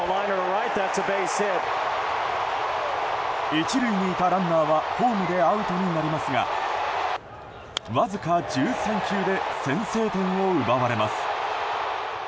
１塁にいたランナーはホームでアウトになりますがわずか１３球で先制点を奪われます。